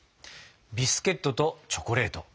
ビスケットとチョコレート。